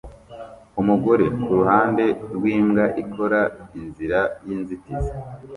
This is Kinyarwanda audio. Umugore kuruhande rwimbwa ikora inzira yinzitizi